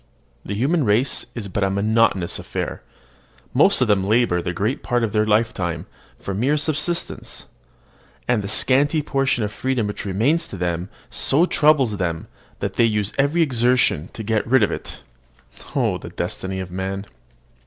The human race is but a monotonous affair. Most of them labour the greater part of their time for mere subsistence; and the scanty portion of freedom which remains to them so troubles them that they use every exertion to get rid of it. Oh, the destiny of man!